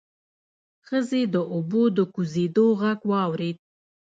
ښځې د اوبو د کوزېدو غږ واورېد.